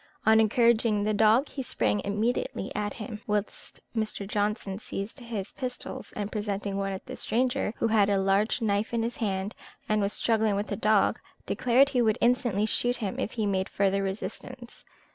On encouraging the dog, he sprang immediately at him, whilst Mr. Johnson seized his pistols, and presenting one at the stranger, who had a large knife in his hand, and was struggling with the dog, declared he would instantly shoot him if he made further resistance.